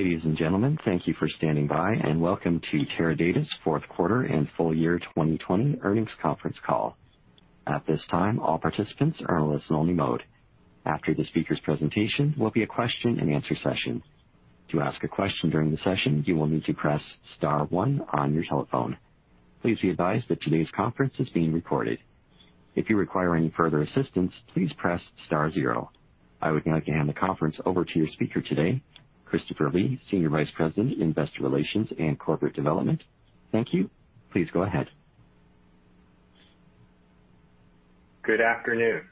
Ladies and gentlemen, thank you for standing by, and welcome to Teradata's fourth quarter and full year 2020 earnings conference call. At this time, all participants are in a listen-only mode. After the speaker's presentation, will be a question-and-answer session. To ask a question during the session, you will need to press star one on your telephone. Please be advised that today's conference is being recorded. If you require any further assistance, please press star zero. I would now like to hand the conference over to your speaker today, Christopher Lee, Senior Vice President, Investor Relations and Corporate Development. Thank you. Please go ahead. Good afternoon,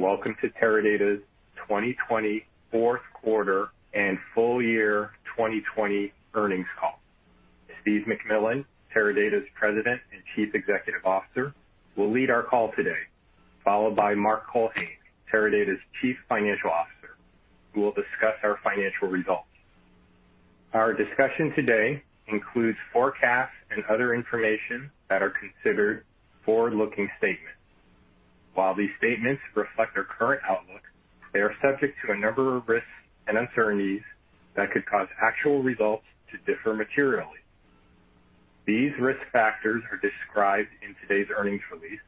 welcome to Teradata's 2020 fourth quarter and full year 2020 earnings call. Steve McMillan, Teradata's President and Chief Executive Officer, will lead our call today, followed by Mark Culhane, Teradata's Chief Financial Officer, who will discuss our financial results. Our discussion today includes forecasts and other information that are considered forward-looking statements. While these statements reflect our current outlook, they are subject to a number of risks and uncertainties that could cause actual results to differ materially. These risk factors are described in today's earnings release,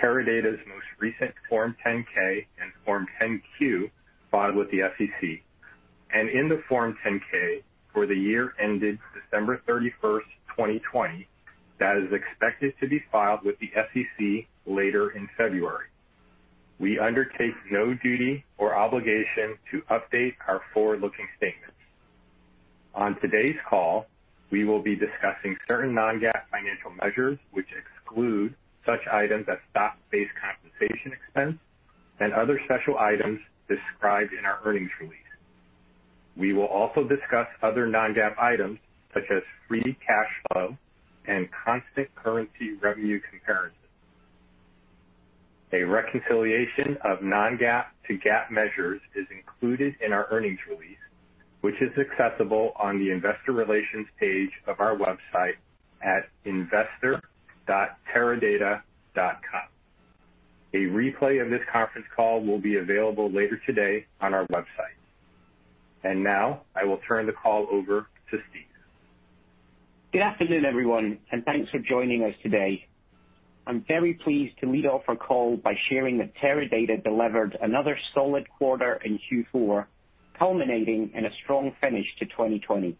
Teradata's most recent Form 10-K and Form 10-Q filed with the SEC, and in the Form 10-K for the year ended December 31st, 2020, that is expected to be filed with the SEC later in February. We undertake no duty or obligation to update our forward-looking statements. On today's call, we will be discussing certain non-GAAP financial measures which exclude such items as stock-based compensation expense and other special items described in our earnings release. We will also discuss other non-GAAP items such as free cash flow and constant currency revenue comparisons. A reconciliation of non-GAAP to GAAP measures is included in our earnings release, which is accessible on the investor relations page of our website at investor.teradata.com. A replay of this conference call will be available later today on our website. Now, I will turn the call over to Steve. Good afternoon, everyone, and thanks for joining us today. I'm very pleased to lead off our call by sharing that Teradata delivered another solid quarter in Q4, culminating in a strong finish to 2020.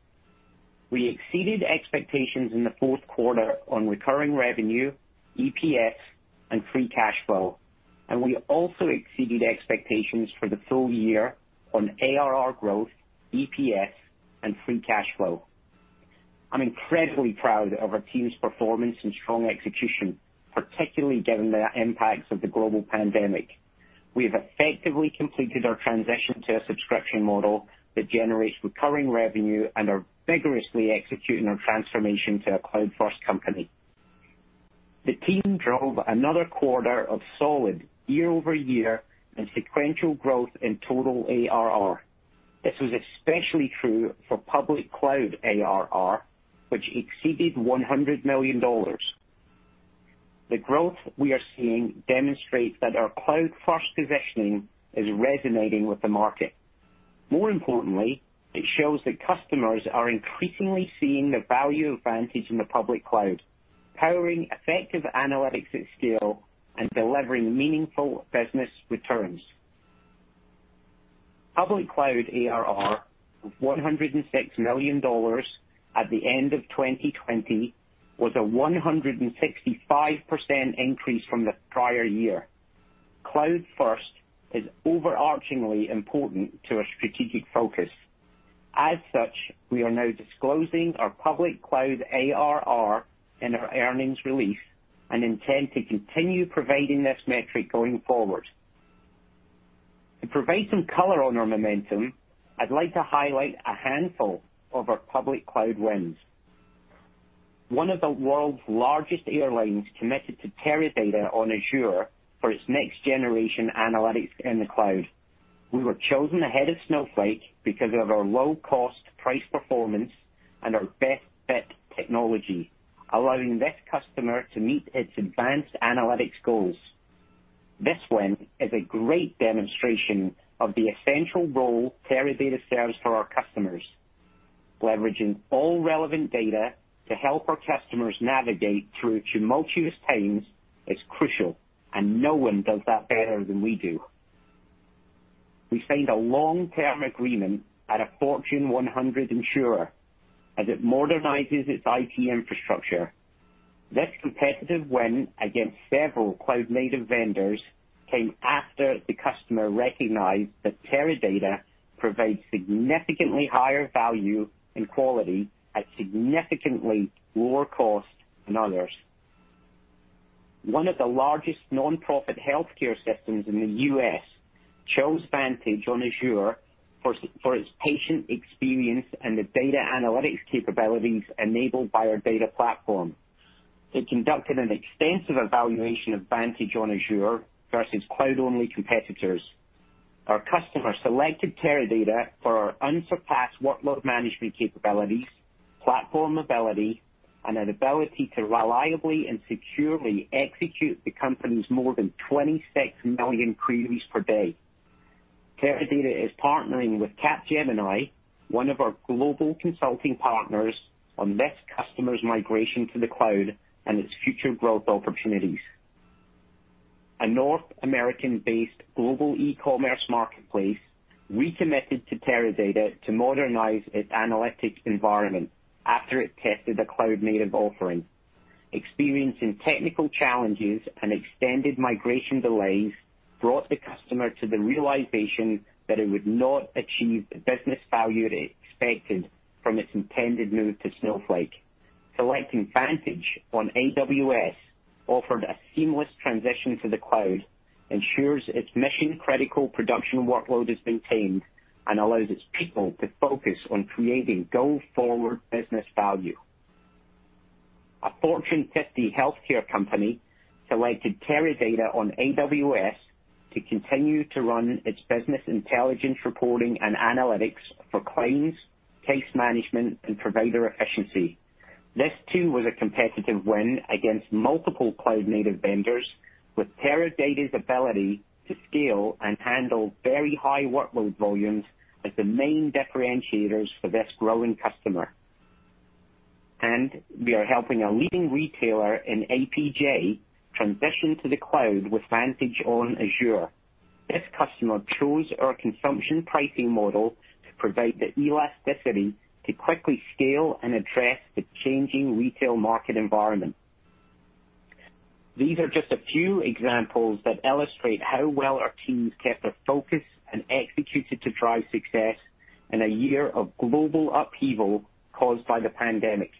We exceeded expectations in the fourth quarter on recurring revenue, EPS, and free cash flow, and we also exceeded expectations for the full year on ARR growth, EPS, and free cash flow. I'm incredibly proud of our team's performance and strong execution, particularly given the impacts of the global pandemic. We have effectively completed our transition to a subscription model that generates recurring revenue and are vigorously executing our transformation to a cloud-first company. The team drove another quarter of solid year-over-year and sequential growth in total ARR. This was especially true for public cloud ARR, which exceeded $100 million. The growth we are seeing demonstrates that our cloud-first positioning is resonating with the market. More importantly, it shows that customers are increasingly seeing the value of Vantage in the public cloud, powering effective analytics at scale and delivering meaningful business returns. Public cloud ARR of $106 million at the end of 2020 was a 165% increase from the prior year. Cloud-first is overarchingly important to our strategic focus. As such, we are now disclosing our public cloud ARR in our earnings release and intend to continue providing this metric going forward. To provide some color on our momentum, I'd like to highlight a handful of our public cloud wins. One of the world's largest airlines committed to Teradata on Azure for its next-generation analytics in the cloud. We were chosen ahead of Snowflake because of our low-cost price performance and our best-fit technology, allowing this customer to meet its advanced analytics goals. This win is a great demonstration of the essential role Teradata serves for our customers. Leveraging all relevant data to help our customers navigate through tumultuous times is crucial. No one does that better than we do. We signed a long-term agreement at a Fortune 100 insurer as it modernizes its IT infrastructure. This competitive win against several cloud-native vendors came after the customer recognized that Teradata provides significantly higher value and quality at significantly lower cost than others. One of the largest non-profit healthcare systems in the U.S. chose Vantage on Azure for its patient experience and the data analytics capabilities enabled by our data platform. It conducted an extensive evaluation of Vantage on Azure versus cloud-only competitors. Our customer selected Teradata for our unsurpassed workload management capabilities, platform ability, and an ability to reliably and securely execute the company's more than 26 million queries per day. Teradata is partnering with Capgemini, one of our global consulting partners, on this customer's migration to the cloud and its future growth opportunities. A North American-based global e-commerce marketplace re-committed to Teradata to modernize its analytics environment after it tested a cloud-native offering. Experiencing technical challenges and extended migration delays brought the customer to the realization that it would not achieve the business value it expected from its intended move to Snowflake. Selecting Vantage on AWS offered a seamless transition to the cloud, ensures its mission-critical production workload is maintained, and allows its people to focus on creating go-forward business value. A Fortune 50 healthcare company selected Teradata on AWS to continue to run its business intelligence reporting and analytics for claims, case management, and provider efficiency. This, too, was a competitive win against multiple cloud-native vendors, with Teradata's ability to scale and handle very high workload volumes as the main differentiators for this growing customer. We are helping a leading retailer in APJ transition to the cloud with Vantage on Azure. This customer chose our consumption pricing model to provide the elasticity to quickly scale and address the changing retail market environment. These are just a few examples that illustrate how well our teams kept their focus and executed to drive success in a year of global upheaval caused by the pandemic.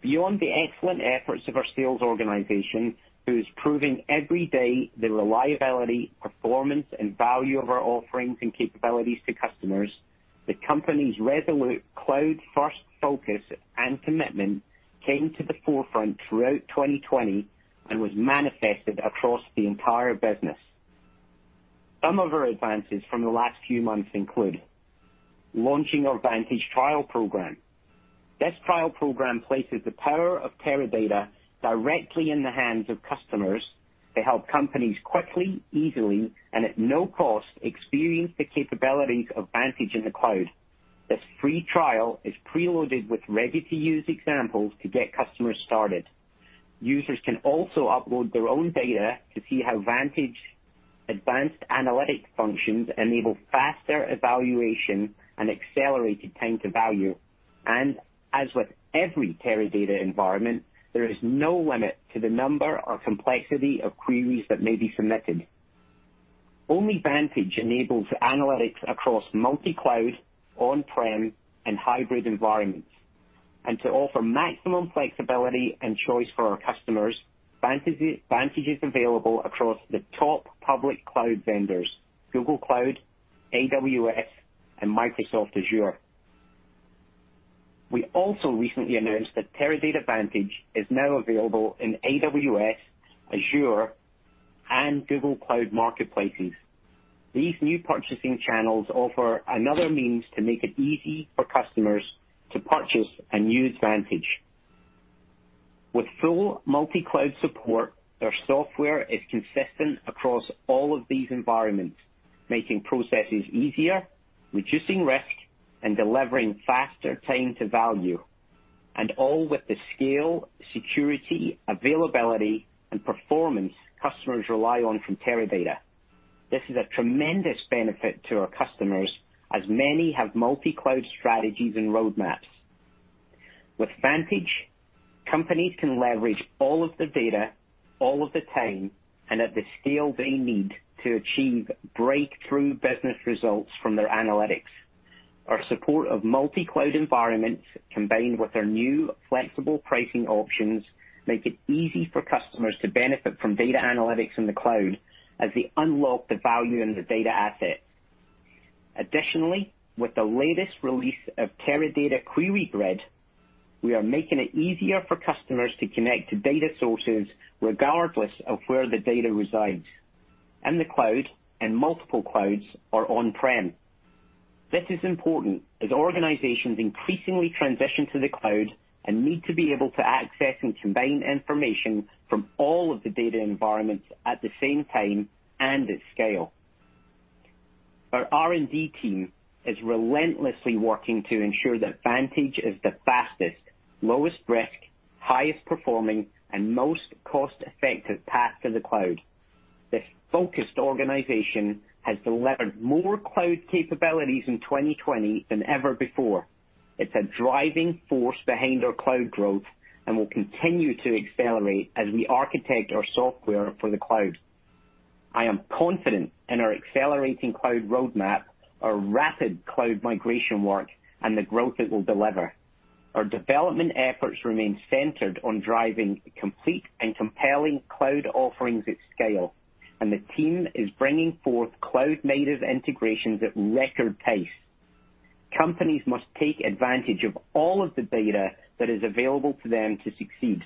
Beyond the excellent efforts of our sales organization, who is proving every day the reliability, performance, and value of our offerings and capabilities to customers, the company's resolute cloud-first focus and commitment came to the forefront throughout 2020 and was manifested across the entire business. Some of our advances from the last few months include launching our Vantage trial program. This trial program places the power of Teradata directly in the hands of customers to help companies quickly, easily, and at no cost experience the capabilities of Vantage in the cloud. This free trial is preloaded with ready-to-use examples to get customers started. Users can also upload their own data to see how Vantage Advanced analytic functions enable faster evaluation and accelerated time to value. As with every Teradata environment, there is no limit to the number or complexity of queries that may be submitted. Only Vantage enables analytics across multi-cloud, on-prem, and hybrid environments. To offer maximum flexibility and choice for our customers, Vantage is available across the top public cloud vendors, Google Cloud, AWS, and Microsoft Azure. We also recently announced that Teradata Vantage is now available in AWS, Azure, and Google Cloud marketplaces. These new purchasing channels offer another means to make it easy for customers to purchase and use Vantage. With full multi-cloud support, our software is consistent across all of these environments, making processes easier, reducing risk, and delivering faster time to value, and all with the scale, security, availability, and performance customers rely on from Teradata. This is a tremendous benefit to our customers, as many have multi-cloud strategies and roadmaps. With Vantage, companies can leverage all of the data all of the time and at the scale they need to achieve breakthrough business results from their analytics. Our support of multi-cloud environments, combined with our new flexible pricing options, make it easy for customers to benefit from data analytics in the cloud as they unlock the value in their data assets. Additionally, with the latest release of Teradata QueryGrid, we are making it easier for customers to connect to data sources regardless of where the data resides, in the cloud, in multiple clouds, or on-prem. This is important as organizations increasingly transition to the cloud and need to be able to access and combine information from all of the data environments at the same time and at scale. Our R&D team is relentlessly working to ensure that Vantage is the fastest, lowest risk, highest performing, and most cost-effective path to the cloud. This focused organization has delivered more cloud capabilities in 2020 than ever before. It's a driving force behind our cloud growth and will continue to accelerate as we architect our software for the cloud. I am confident in our accelerating cloud roadmap, our rapid cloud migration work, and the growth it will deliver. Our development efforts remain centered on driving complete and compelling cloud offerings at scale. The team is bringing forth cloud-native integrations at record pace. Companies must take advantage of all of the data that is available to them to succeed.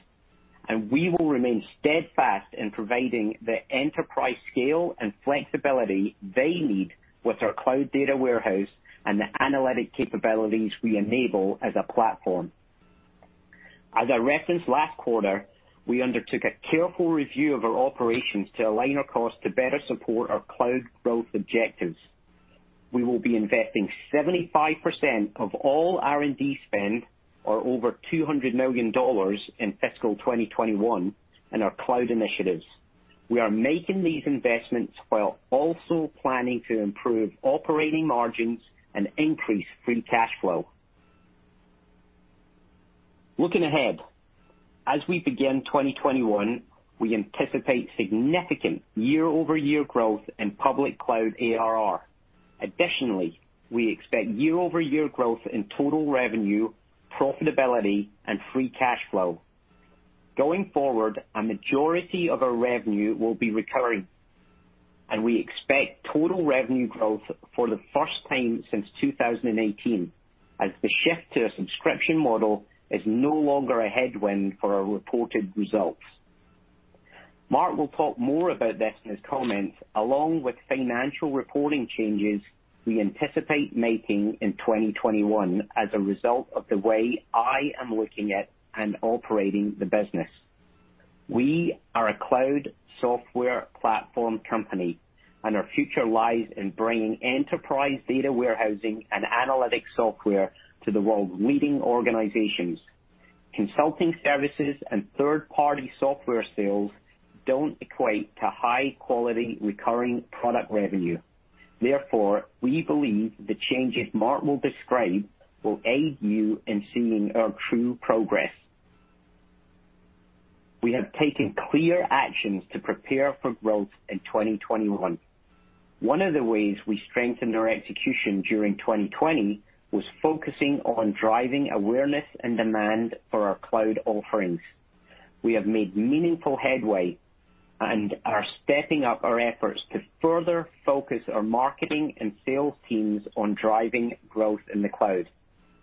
We will remain steadfast in providing the enterprise scale and flexibility they need with our cloud data warehouse and the analytic capabilities we enable as a platform. As I referenced last quarter, we undertook a careful review of our operations to align our costs to better support our cloud growth objectives. We will be investing 75% of all R&D spend, or over $200 million in fiscal 2021, in our cloud initiatives. We are making these investments while also planning to improve operating margins and increase free cash flow. Looking ahead, as we begin 2021, we anticipate significant year-over-year growth in public cloud ARR. Additionally, we expect year-over-year growth in total revenue, profitability, and free cash flow. Going forward, a majority of our revenue will be recurring, and we expect total revenue growth for the first time since 2018, as the shift to a subscription model is no longer a headwind for our reported results. Mark will talk more about this in his comments, along with financial reporting changes we anticipate making in 2021 as a result of the way I am looking at and operating the business. We are a cloud software platform company, and our future lies in bringing enterprise data warehousing and analytic software to the world's leading organizations. Consulting services and third-party software sales don't equate to high-quality recurring product revenue. Therefore, we believe the changes Mark will describe will aid you in seeing our true progress. We have taken clear actions to prepare for growth in 2021. One of the ways we strengthened our execution during 2020 was focusing on driving awareness and demand for our cloud offerings. We have made meaningful headway and are stepping up our efforts to further focus our marketing and sales teams on driving growth in the cloud.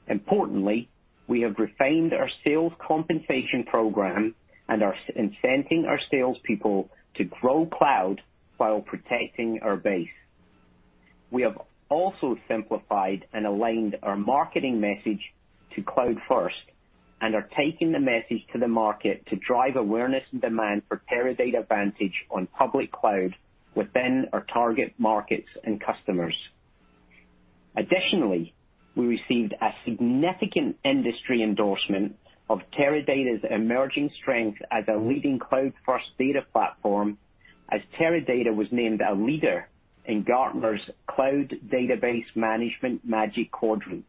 Importantly, we have refined our sales compensation program and are incenting our salespeople to grow cloud while protecting our base. We have also simplified and aligned our marketing message to cloud-first and are taking the message to the market to drive awareness and demand for Teradata Vantage on public cloud within our target markets and customers. Additionally, we received a significant industry endorsement of Teradata's emerging strength as a leading cloud-first data platform, as Teradata was named a leader in Gartner's Cloud Database Management Magic Quadrant.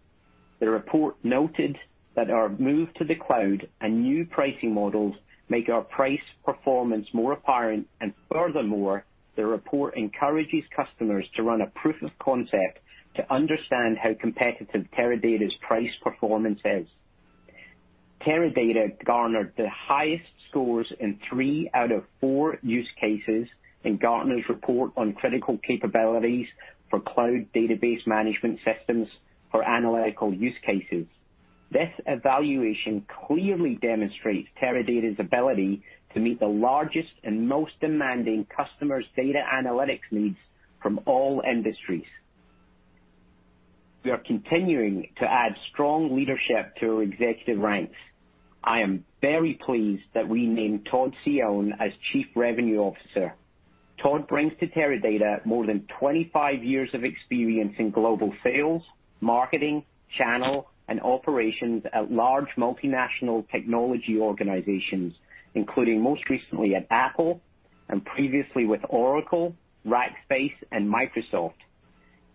The report noted that our move to the cloud and new pricing models make our price performance more apparent, and furthermore, the report encourages customers to run a proof of concept to understand how competitive Teradata's price performance is. Teradata garnered the highest scores in three out of four use cases in Gartner's report on Critical Capabilities for Cloud Database Management Systems for Analytical Use Cases. This evaluation clearly demonstrates Teradata's ability to meet the largest and most demanding customers' data analytics needs from all industries. We are continuing to add strong leadership to our executive ranks. I am very pleased that we named Todd Cione as Chief Revenue Officer. Todd brings to Teradata more than 25 years of experience in global sales, marketing, channel, and operations at large multinational technology organizations, including most recently at Apple and previously with Oracle, Rackspace, and Microsoft.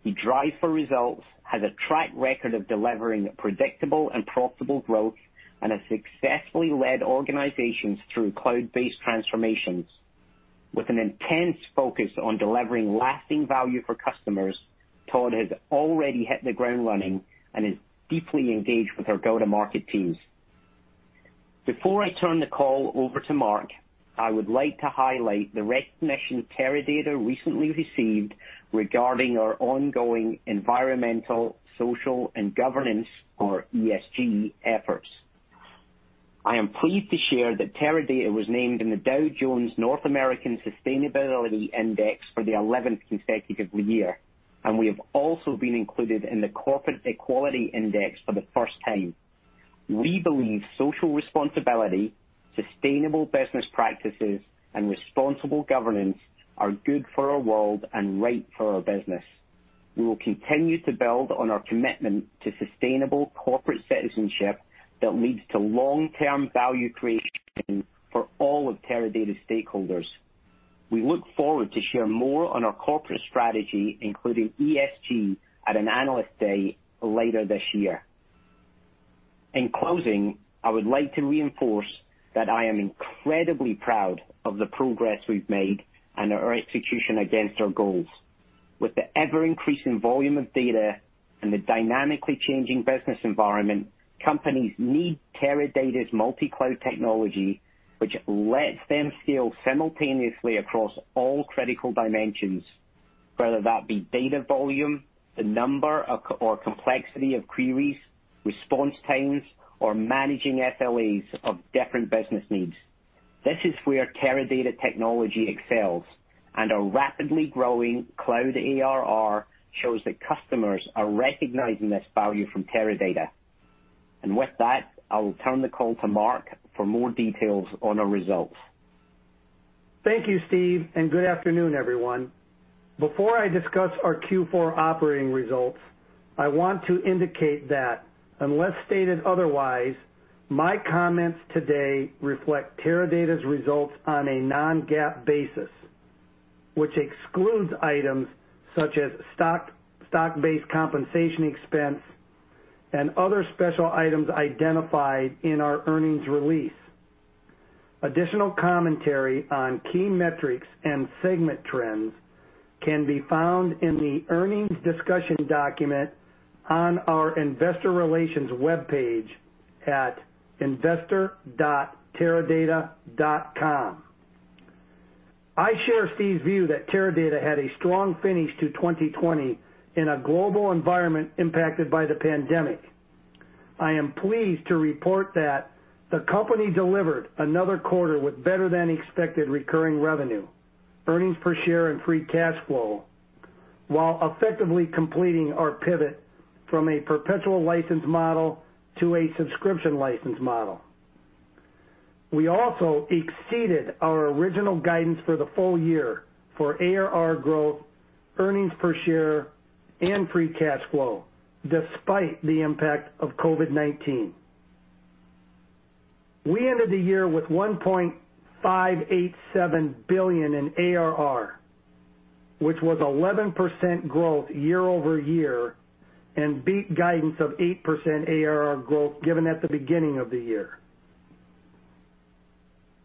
He drives for results, has a track record of delivering predictable and profitable growth, and has successfully led organizations through cloud-based transformations. With an intense focus on delivering lasting value for customers, Todd has already hit the ground running and is deeply engaged with our go-to-market teams. Before I turn the call over to Mark, I would like to highlight the recognition Teradata recently received regarding our ongoing Environmental, Social, and Governance, or ESG, efforts. I am pleased to share that Teradata was named in the Dow Jones Sustainability North America Index for the 11th consecutive year, and we have also been included in the Corporate Equality Index for the first time. We believe social responsibility, sustainable business practices, and responsible governance are good for our world and right for our business. We will continue to build on our commitment to sustainable corporate citizenship that leads to long-term value creation for all of Teradata's stakeholders. We look forward to share more on our corporate strategy, including ESG, at an Analyst Day later this year. In closing, I would like to reinforce that I am incredibly proud of the progress we've made and our execution against our goals. With the ever-increasing volume of data and the dynamically changing business environment, companies need Teradata's multi-cloud technology, which lets them scale simultaneously across all critical dimensions. Whether that be data volume, the number or complexity of queries, response times, or managing SLAs of different business needs. This is where Teradata technology excels, and our rapidly growing cloud ARR shows that customers are recognizing this value from Teradata. With that, I will turn the call to Mark for more details on our results. Thank you, Steve, and good afternoon, everyone. Before I discuss our Q4 operating results, I want to indicate that unless stated otherwise, my comments today reflect Teradata's results on a non-GAAP basis, which excludes items such as stock-based compensation expense and other special items identified in our earnings release. Additional commentary on key metrics and segment trends can be found in the earnings discussion document on our investor relations webpage at investor.teradata.com. I share Steve's view that Teradata had a strong finish to 2020 in a global environment impacted by the pandemic. I am pleased to report that the company delivered another quarter with better-than-expected recurring revenue, earnings per share, and free cash flow, while effectively completing our pivot from a perpetual license model to a subscription license model. We also exceeded our original guidance for the full year for ARR growth, earnings per share, and free cash flow, despite the impact of COVID-19. We ended the year with $1.587 billion in ARR, which was 11% growth year-over-year and beat guidance of 8% ARR growth given at the beginning of the year.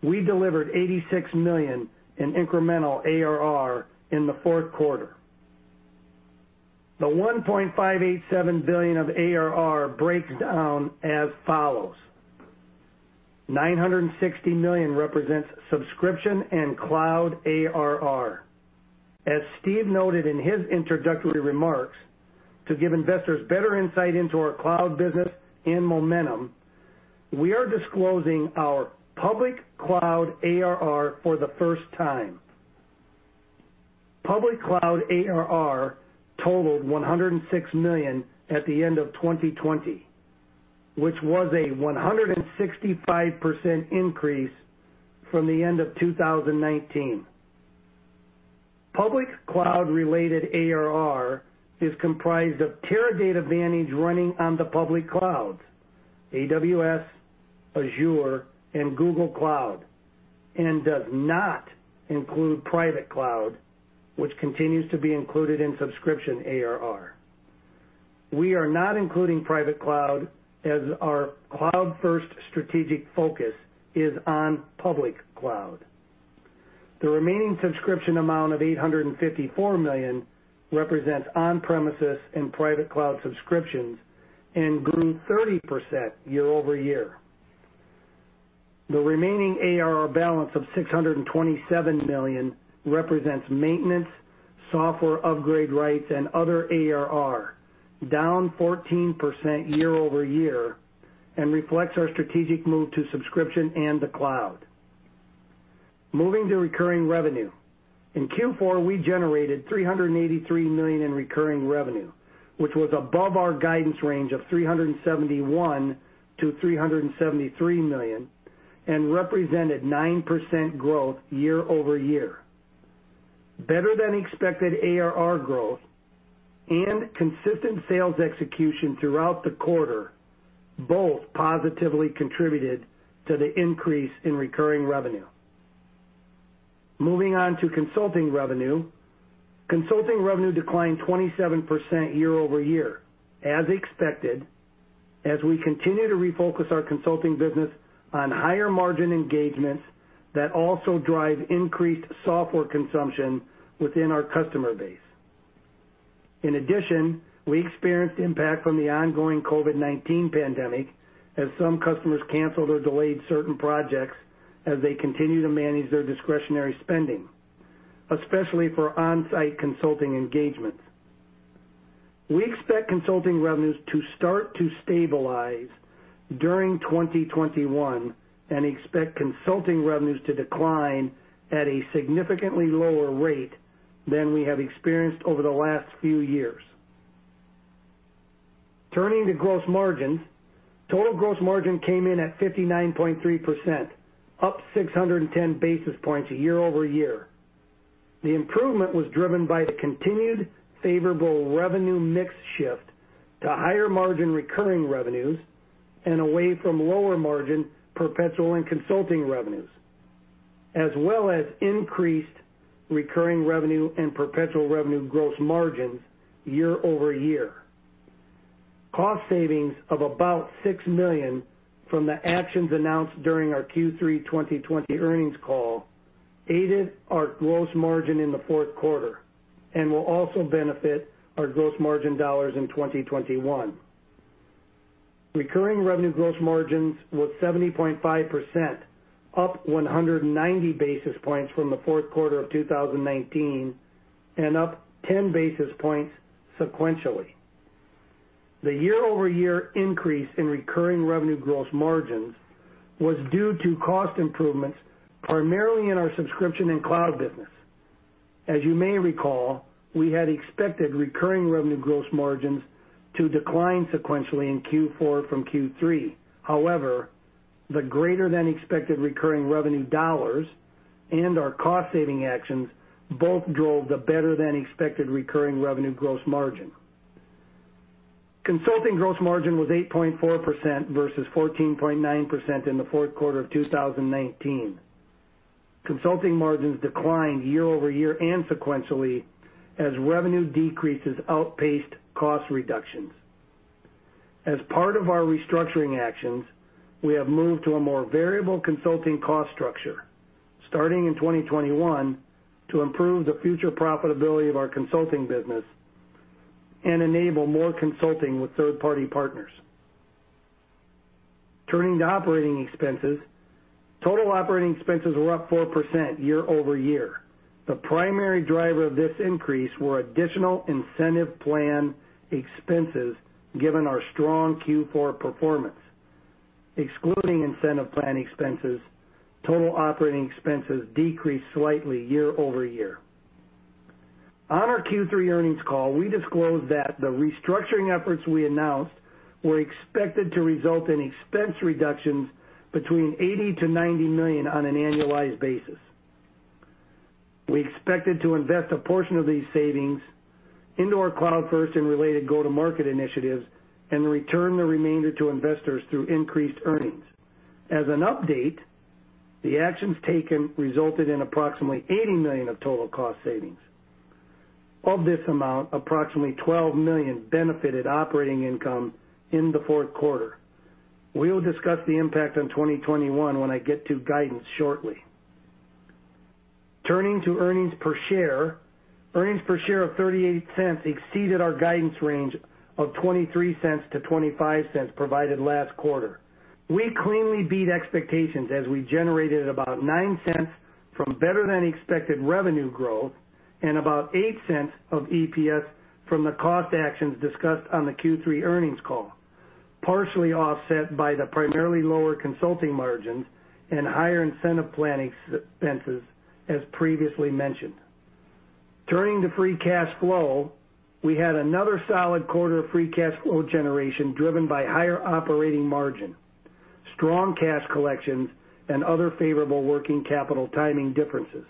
We delivered $86 million in incremental ARR in the fourth quarter. The $1.587 billion of ARR breaks down as follows. $960 million represents subscription and cloud ARR. As Steve noted in his introductory remarks, to give investors better insight into our cloud business and momentum, we are disclosing our public cloud ARR for the first time. Public cloud ARR totaled $106 million at the end of 2020, which was a 165% increase from the end of 2019. Public cloud-related ARR is comprised of Teradata Vantage running on the public cloud, AWS, Azure, and Google Cloud, and does not include private cloud, which continues to be included in subscription ARR. We are not including private cloud as our cloud-first strategic focus is on public cloud. The remaining subscription amount of $854 million represents on-premises and private cloud subscriptions and grew 30% year-over-year. The remaining ARR balance of $627 million represents maintenance, software upgrade rights, and other ARR, down 14% year-over-year, and reflects our strategic move to subscription and the cloud. Moving to recurring revenue. In Q4, we generated $383 million in recurring revenue, which was above our guidance range of $371 million-$373 million and represented 9% growth year-over-year. Better-than-expected ARR growth and consistent sales execution throughout the quarter both positively contributed to the increase in recurring revenue. Moving on to consulting revenue. Consulting revenue declined 27% year-over-year, as expected, as we continue to refocus our consulting business on higher-margin engagements that also drive increased software consumption within our customer base. In addition, we experienced impact from the ongoing COVID-19 pandemic, as some customers canceled or delayed certain projects as they continue to manage their discretionary spending, especially for on-site consulting engagements. We expect consulting revenues to start to stabilize during 2021 and expect consulting revenues to decline at a significantly lower rate than we have experienced over the last few years. Turning to gross margins. Total gross margin came in at 59.3%, up 610 basis points year-over-year. The improvement was driven by the continued favorable revenue mix shift to higher-margin recurring revenues and away from lower-margin perpetual and consulting revenues, as well as increased recurring revenue and perpetual revenue gross margins year-over-year. Cost savings of about $6 million from the actions announced during our Q3 2020 earnings call aided our gross margin in the fourth quarter and will also benefit our gross margin dollars in 2021. Recurring revenue gross margins was 70.5%, up 190 basis points from the fourth quarter of 2019, and up 10 basis points sequentially. The year-over-year increase in recurring revenue gross margins was due to cost improvements, primarily in our subscription and cloud business. As you may recall, we had expected recurring revenue gross margins to decline sequentially in Q4 from Q3. However, the greater than expected recurring revenue dollars and our cost-saving actions both drove the better-than-expected recurring revenue gross margin. Consulting gross margin was 8.4% versus 14.9% in the fourth quarter of 2019. Consulting margins declined year-over-year and sequentially as revenue decreases outpaced cost reductions. As part of our restructuring actions, we have moved to a more variable consulting cost structure starting in 2021 to improve the future profitability of our consulting business and enable more consulting with third-party partners. Turning to operating expenses. Total operating expenses were up 4% year-over-year. The primary driver of this increase were additional incentive plan expenses given our strong Q4 performance. Excluding incentive plan expenses, total operating expenses decreased slightly year-over-year. On our Q3 earnings call, we disclosed that the restructuring efforts we announced were expected to result in expense reductions between $80 million-$90 million on an annualized basis. We expected to invest a portion of these savings into our cloud-first and related go-to-market initiatives and return the remainder to investors through increased earnings. As an update, the actions taken resulted in approximately $80 million of total cost savings. Of this amount, approximately $12 million benefited operating income in the fourth quarter. We will discuss the impact on 2021 when I get to guidance shortly. Turning to earnings per share. Earnings per share of $0.38 exceeded our guidance range of $0.23-$0.25 provided last quarter. We cleanly beat expectations as we generated about $0.09 from better-than-expected revenue growth and about $0.08 of EPS from the cost actions discussed on the Q3 earnings call, partially offset by the primarily lower consulting margins and higher incentive planning expenses, as previously mentioned. Turning to free cash flow. We had another solid quarter of free cash flow generation driven by higher operating margin, strong cash collections, and other favorable working capital timing differences.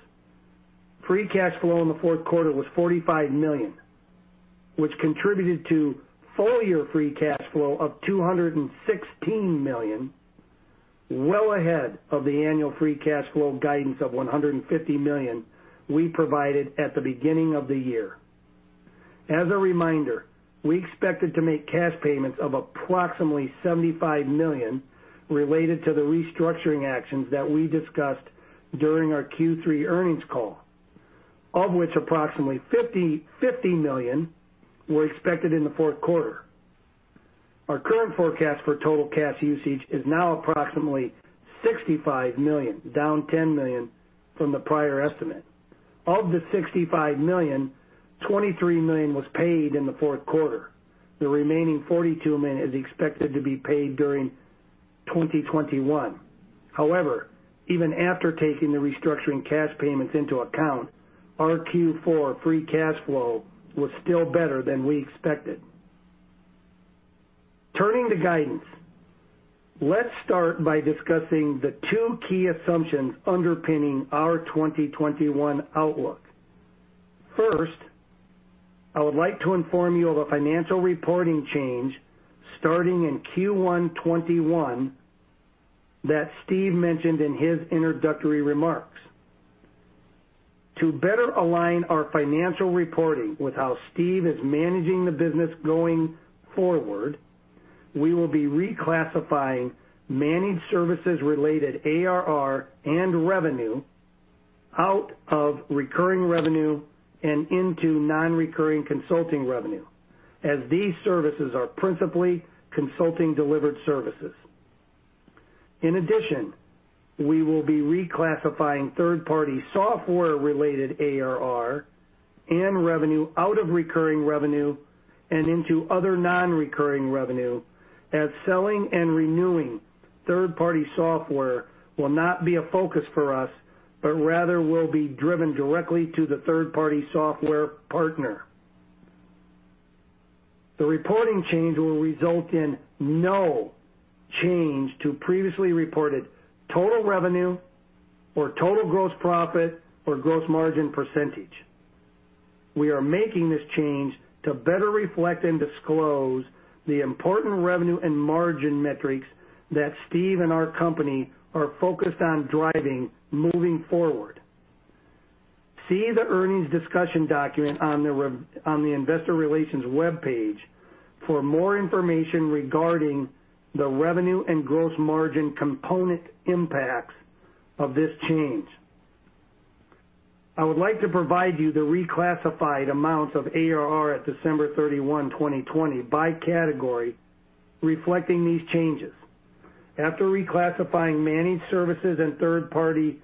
Free cash flow in the fourth quarter was $45 million, which contributed to full-year free cash flow of $216 million, well ahead of the annual free cash flow guidance of $150 million we provided at the beginning of the year. As a reminder, we expected to make cash payments of approximately $75 million related to the restructuring actions that we discussed during our Q3 earnings call, of which approximately $50 million were expected in the fourth quarter. Our current forecast for total cash usage is now approximately $65 million, down $10 million from the prior estimate. Of the $65 million, $23 million was paid in the fourth quarter. The remaining $42 million is expected to be paid during 2021. However, even after taking the restructuring cash payments into account, our Q4 free cash flow was still better than we expected. Turning to guidance. Let's start by discussing the two key assumptions underpinning our 2021 outlook. First, I would like to inform you of a financial reporting change starting in Q1 2021 that Steve mentioned in his introductory remarks. To better align our financial reporting with how Steve is managing the business going forward, we will be reclassifying managed services-related ARR and revenue out of recurring revenue and into non-recurring consulting revenue, as these services are principally consulting-delivered services. In addition, we will be reclassifying third-party software-related ARR and revenue out of recurring revenue and into other non-recurring revenue, as selling and renewing third-party software will not be a focus for us, but rather will be driven directly to the third-party software partner. The reporting change will result in no change to previously reported total revenue or total gross profit or gross margin percentage. We are making this change to better reflect and disclose the important revenue and margin metrics that Steve and our company are focused on driving moving forward. See the earnings discussion document on the investor relations webpage for more information regarding the revenue and gross margin component impacts of this change. I would like to provide you the reclassified amounts of ARR at December 31, 2020 by category reflecting these changes. After reclassifying managed services and third-party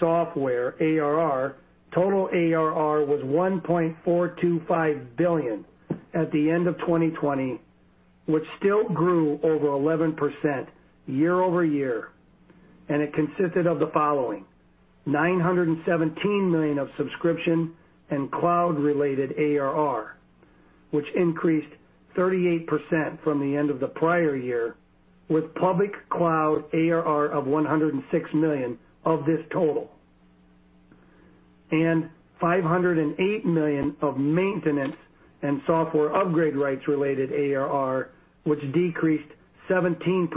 software ARR, total ARR was $1.425 billion at the end of 2020, which still grew over 11% year-over-year. It consisted of the following: $917 million of subscription and cloud-related ARR, which increased 38% from the end of the prior year, with public cloud ARR of $106 million of this total. $508 million of maintenance and software upgrade rights related ARR, which decreased 17%,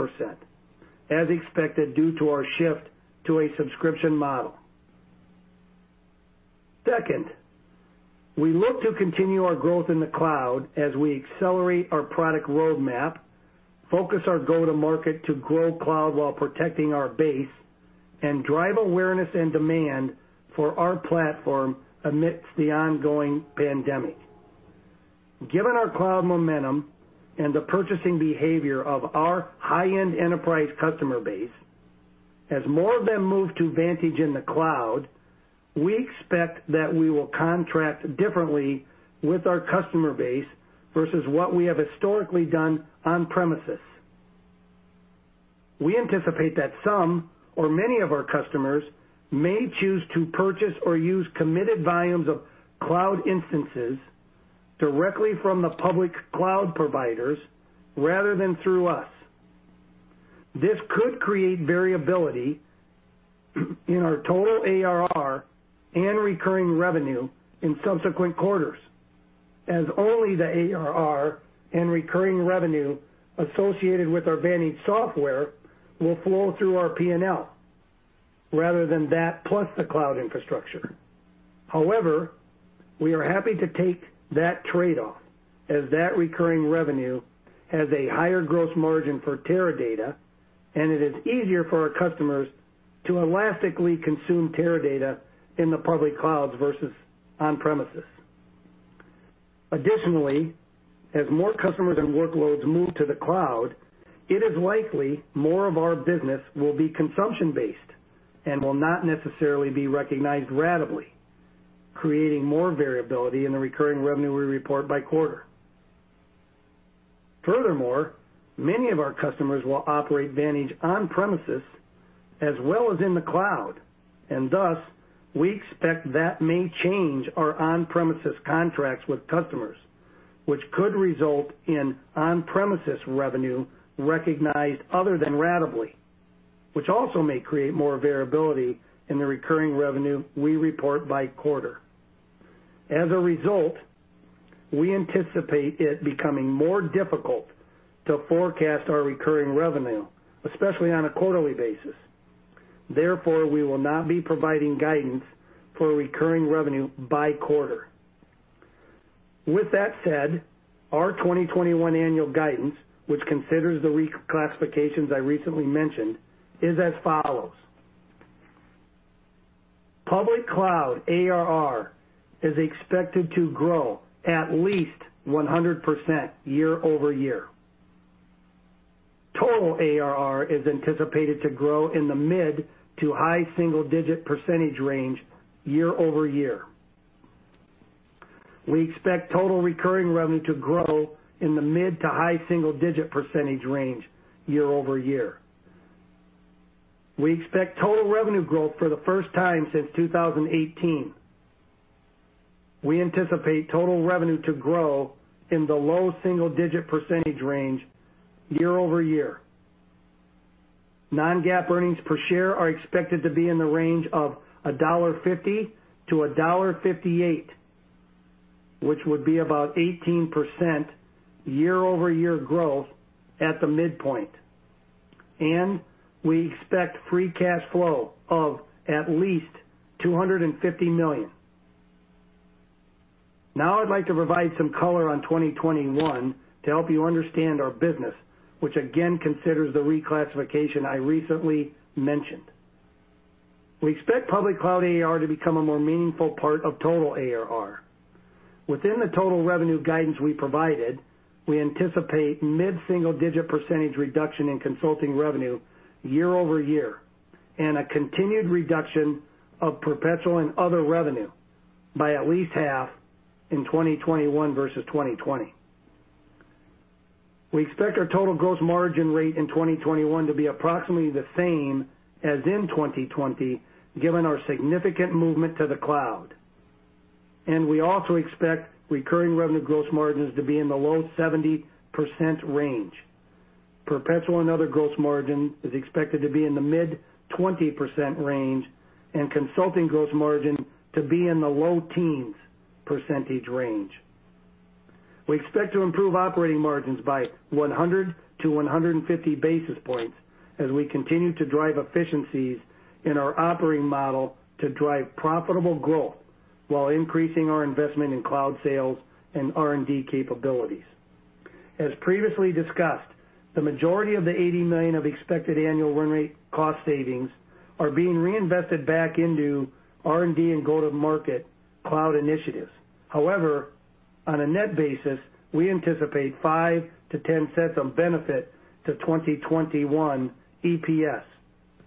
as expected, due to our shift to a subscription model. Second, we look to continue our growth in the cloud as we accelerate our product roadmap, focus our go-to-market to grow cloud while protecting our base, and drive awareness and demand for our platform amidst the ongoing pandemic. Given our cloud momentum and the purchasing behavior of our high-end enterprise customer base, as more of them move to Vantage in the cloud, we expect that we will contract differently with our customer base versus what we have historically done on-premises. We anticipate that some or many of our customers may choose to purchase or use committed volumes of cloud instances directly from the public cloud providers rather than through us. This could create variability in our total ARR and recurring revenue in subsequent quarters, as only the ARR and recurring revenue associated with our Vantage software will flow through our P&L rather than that plus the cloud infrastructure. However, we are happy to take that trade-off, as that recurring revenue has a higher gross margin for Teradata, and it is easier for our customers to elastically consume Teradata in the public clouds versus on-premises. Additionally, as more customers and workloads move to the cloud, it is likely more of our business will be consumption-based and will not necessarily be recognized ratably, creating more variability in the recurring revenue we report by quarter. Furthermore, many of our customers will operate Vantage on-premises as well as in the cloud, and thus, we expect that may change our on-premises contracts with customers, which could result in on-premises revenue recognized other than ratably, which also may create more variability in the recurring revenue we report by quarter. As a result, we anticipate it becoming more difficult to forecast our recurring revenue, especially on a quarterly basis. Therefore, we will not be providing guidance for recurring revenue by quarter. With that said, our 2021 annual guidance, which considers the reclassifications I recently mentioned, is as follows. Public cloud ARR is expected to grow at least 100% year-over-year. Total ARR is anticipated to grow in the mid to high single-digit percentage range year-over-year. We expect total recurring revenue to grow in the mid to high single-digit percentage range year-over-year. We expect total revenue growth for the first time since 2018. We anticipate total revenue to grow in the low single-digit percentage range year-over-year. Non-GAAP earnings per share are expected to be in the range of $1.50-$1.58, which would be about 18% year-over-year growth at the midpoint. We expect free cash flow of at least $250 million. Now I'd like to provide some color on 2021 to help you understand our business, which again considers the reclassification I recently mentioned. We expect public cloud ARR to become a more meaningful part of total ARR. Within the total revenue guidance we provided, we anticipate mid single-digit percentage reduction in consulting revenue year-over-year and a continued reduction of perpetual and other revenue by at least half in 2021 versus 2020. We expect our total gross margin rate in 2021 to be approximately the same as in 2020, given our significant movement to the cloud. We also expect recurring revenue gross margins to be in the low 70% range. Perpetual and other gross margin is expected to be in the mid 20% range, and consulting gross margin to be in the low teens percentage range. We expect to improve operating margins by 100 basis points-150 basis points as we continue to drive efficiencies in our operating model to drive profitable growth while increasing our investment in cloud sales and R&D capabilities. As previously discussed, the majority of the $80 million of expected annual run rate cost savings are being reinvested back into R&D and go-to-market cloud initiatives. However, on a net basis, we anticipate $0.05-$0.10 of benefit to 2021 EPS.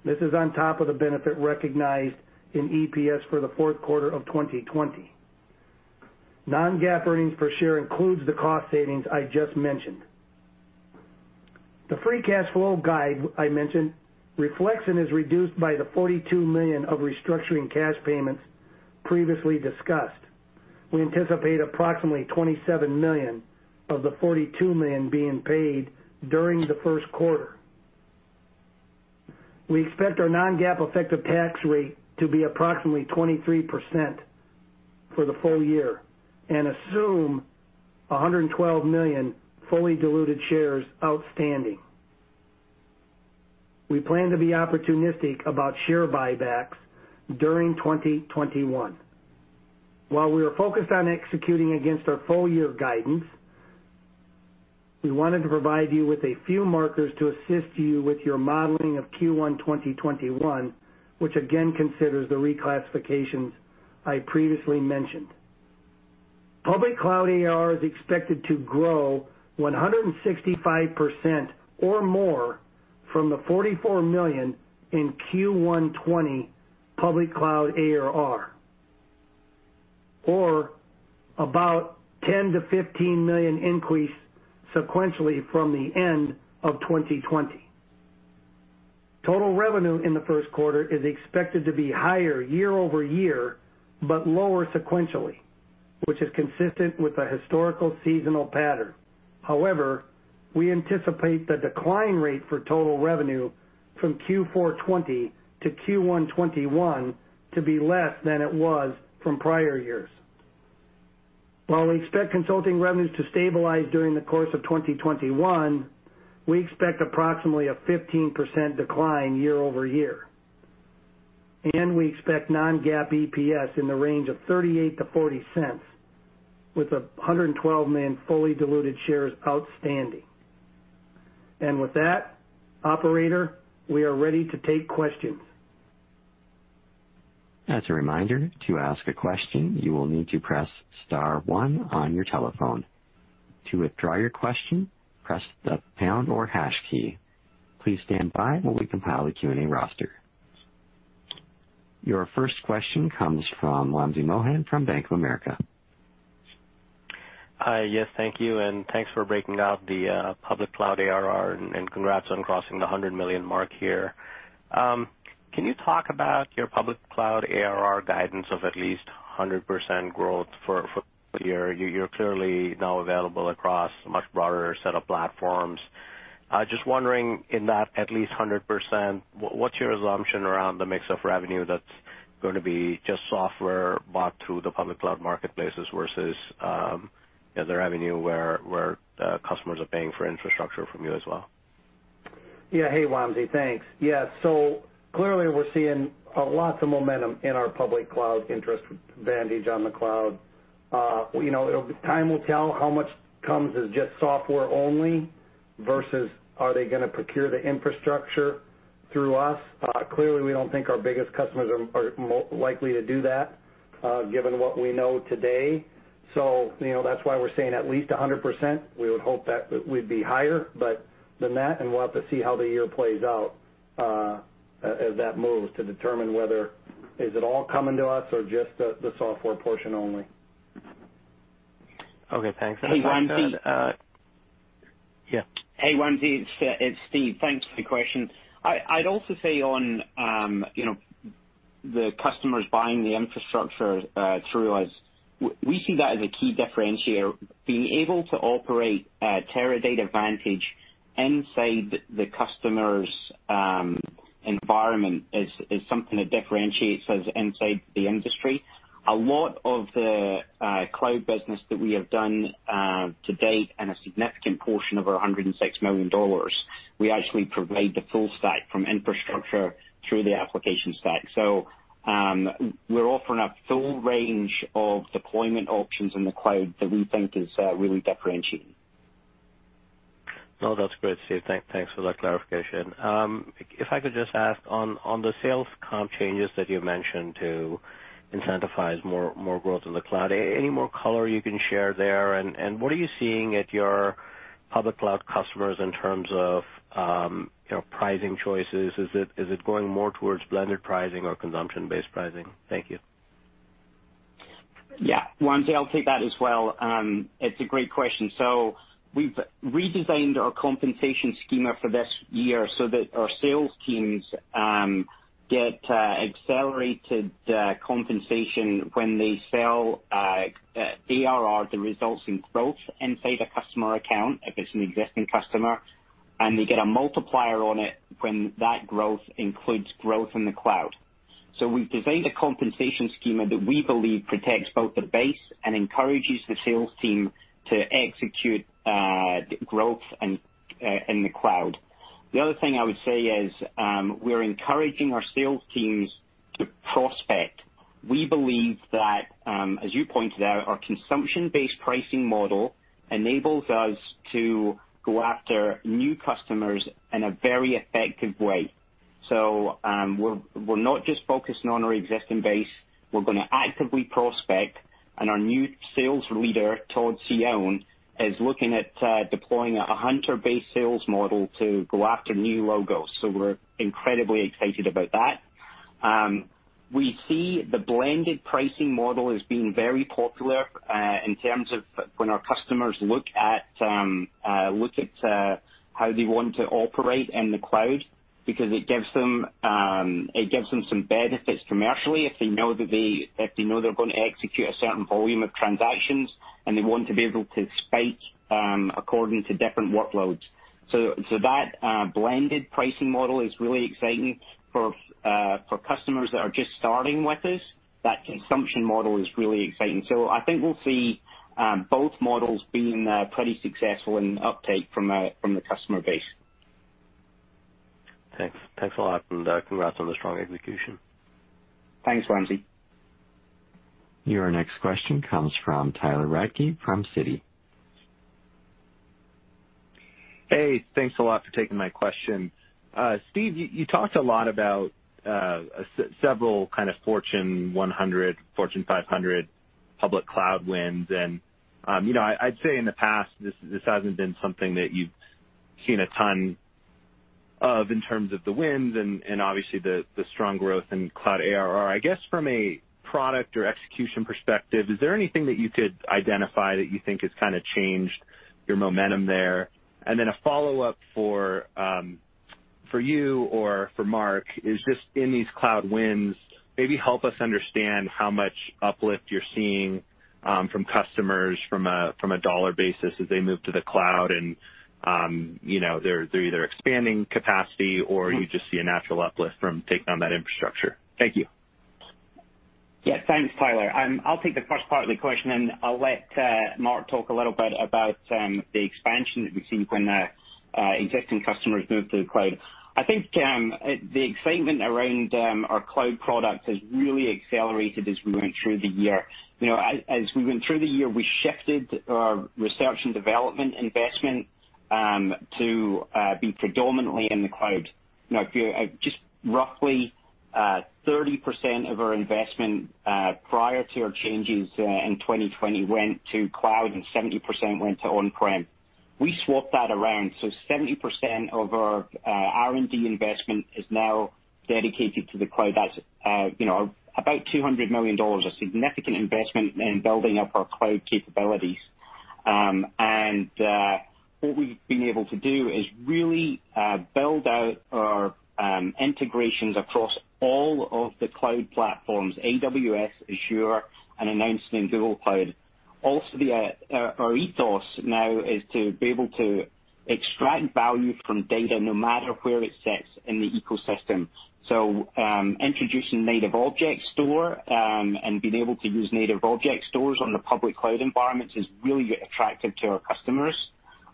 This is on top of the benefit recognized in EPS for the fourth quarter of 2020. Non-GAAP earnings per share includes the cost savings I just mentioned. The free cash flow guide I mentioned reflects and is reduced by the $42 million of restructuring cash payments previously discussed. We anticipate approximately $27 million of the $42 million being paid during the first quarter. We expect our non-GAAP effective tax rate to be approximately 23% for the full year and assume 112 million fully diluted shares outstanding. We plan to be opportunistic about share buybacks during 2021. While we are focused on executing against our full-year guidance, we wanted to provide you with a few markers to assist you with your modeling of Q1 2021, which again considers the reclassifications I previously mentioned. Public cloud ARR is expected to grow 165% or more from the $44 million in Q1 2020 public cloud ARR, or about $10 million-$15 million increase sequentially from the end of 2020. Total revenue in the first quarter is expected to be higher year-over-year, but lower sequentially, which is consistent with the historical seasonal pattern. However, we anticipate the decline rate for total revenue from Q4 2020 to Q1 2021 to be less than it was from prior years. While we expect consulting revenues to stabilize during the course of 2021, we expect approximately a 15% decline year-over-year. We expect non-GAAP EPS in the range of $0.38-$0.40 with 112 million fully diluted shares outstanding. With that, operator, we are ready to take questions. As a reminder, to ask a question, you will need to press star one on your telephone. To withdraw your question, press the pound or hash key. Please stand by while we compile the Q&A roster. Your first question comes from Wamsi Mohan from Bank of America. Hi. Yes, thank you, and thanks for breaking out the public cloud ARR, and congrats on crossing the $100 million mark here. Can you talk about your public cloud ARR guidance of at least 100% growth for the year? You're clearly now available across a much broader set of platforms. Just wondering, in that at least 100%, what's your assumption around the mix of revenue that's going to be just software bought through the public cloud marketplaces versus the revenue where customers are paying for infrastructure from you as well? Yeah. Hey, Wamsi. Thanks. Yeah. Clearly we're seeing lots of momentum in our public cloud interest, Vantage on the cloud. Time will tell how much comes as just software only versus are they going to procure the infrastructure through us. Clearly, we don't think our biggest customers are likely to do that, given what we know today. That's why we're saying at least 100%. We would hope that we'd be higher than that, and we'll have to see how the year plays out, as that moves, to determine whether is it all coming to us or just the software portion only. Okay, thanks. Hey, Wamsi. Yeah. Hey, Wamsi. It's Steve. Thanks for the question. I'd also say on the customers buying the infrastructure through us, we see that as a key differentiator. Being able to operate Teradata Vantage inside the customer's environment is something that differentiates us inside the industry. A lot of the cloud business that we have done to date and a significant portion of our $106 million, we actually provide the full stack from infrastructure through the application stack. We're offering a full range of deployment options in the cloud that we think is really differentiating. No, that's great, Steve. Thanks for that clarification. If I could just ask on the sales comp changes that you mentioned to incentivize more growth in the cloud, any more color you can share there? What are you seeing at your public cloud customers in terms of pricing choices? Is it going more towards blended pricing or consumption-based pricing? Thank you. Yeah. Wamsi, I'll take that as well. It's a great question. We've redesigned our compensation schema for this year so that our sales teams get accelerated compensation when they sell ARR that results in growth inside a customer account if it's an existing customer, and they get a multiplier on it when that growth includes growth in the cloud. We have designed a compensation schema that we believe protects both the base and encourages the sales team to execute growth in the cloud. The other thing I would say is, we're encouraging our sales teams to prospect. We believe that, as you pointed out, our consumption-based pricing model enables us to go after new customers in a very effective way. We're not just focusing on our existing base. We're going to actively prospect and our new sales leader, Todd Cione, is looking at deploying a hunter-based sales model to go after new logos. We're incredibly excited about that. We see the blended pricing model as being very popular, in terms of when our customers look at how they want to operate in the cloud, because it gives them some benefits commercially if they know they're going to execute a certain volume of transactions, and they want to be able to spike according to different workloads. That blended pricing model is really exciting for customers that are just starting with us. That consumption model is really exciting. I think we'll see both models being pretty successful in uptake from the customer base. Thanks a lot, and congrats on the strong execution. Thanks, Wamsi. Your next question comes from Tyler Radke from Citi. Hey, thanks a lot for taking my question. Steve, you talked a lot about several kind of Fortune 100, Fortune 500 public cloud wins, and I'd say in the past, this hasn't been something that you've seen a ton of in terms of the wins and obviously the strong growth in cloud ARR. I guess from a product or execution perspective, is there anything that you could identify that you think has kind of changed your momentum there? Then a follow-up for you or for Mark is just in these cloud wins, maybe help us understand how much uplift you're seeing from customers from a dollar basis as they move to the cloud and they're either expanding capacity or you just see a natural uplift from taking on that infrastructure. Thank you. Thanks, Tyler. I'll take the first part of the question, and I'll let Mark talk a little bit about the expansion that we've seen when existing customers move to the cloud. I think the excitement around our cloud product has really accelerated as we went through the year. As we went through the year, we shifted our research and development investment to be predominantly in the cloud. Just roughly 30% of our investment prior to our changes in 2020 went to cloud, and 70% went to on-prem. We swapped that around, 70% of our R&D investment is now dedicated to the cloud. That's about $200 million, a significant investment in building up our cloud capabilities. What we've been able to do is really build out our integrations across all of the cloud platforms, AWS, Azure, and announcing Google Cloud. Our ethos now is to be able to extract value from data no matter where it sits in the ecosystem. Introducing native object store, being able to use native object stores on the public cloud environments is really attractive to our customers.